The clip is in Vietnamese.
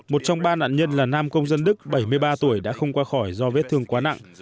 một trong ba nạn nhân là nam công dân đức bảy mươi ba tuổi đã không qua khỏi do vết thương quá nặng